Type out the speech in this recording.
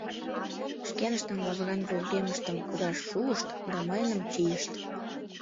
Шкеныштын лавыран вургемыштым кудаш шуышт да мыйыным чийышт.